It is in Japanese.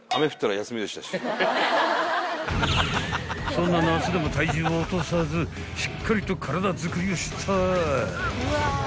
［そんな夏でも体重を落とさずしっかりと体づくりをしたい］